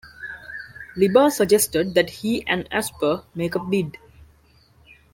Liba suggested that he and Asper make a bid.